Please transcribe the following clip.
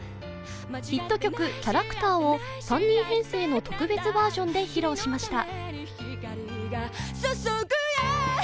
ヒット曲「キャラクター」を３人編成の特別バージョンで披露しました。